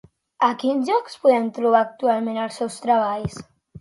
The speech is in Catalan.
A quins llocs podem trobar actualment els seus treballs?